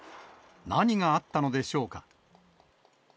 何があったのでしょうか。